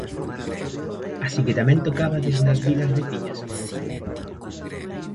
Así que tamén tocabades nas vilas veciñas?